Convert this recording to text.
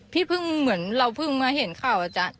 เพิ่งเหมือนเราเพิ่งมาเห็นข่าวอาจารย์